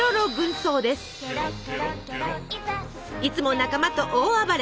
いつも仲間と大暴れ！